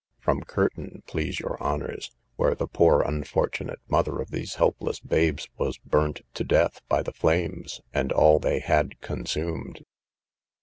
From Kirton, please your honours, where the poor unfortunate mother of these helpless babes was burnt to death by the flames, and all they had consumed.